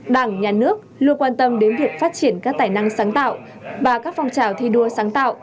đảng nhà nước luôn quan tâm đến việc phát triển các tài năng sáng tạo và các phong trào thi đua sáng tạo